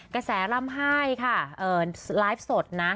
กระแสร่ำไห้ค่ะไลฟ์สดนะ